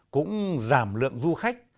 cũng giảm lượng du khách